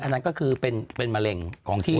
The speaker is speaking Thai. อันนั้นก็คือเป็นมะเร็งของที่